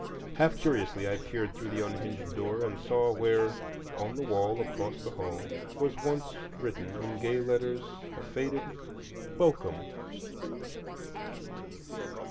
Half curiously I peered through the unhinged door, and saw where, on the wall across the hall, was written in once gay letters a faded "Welcome."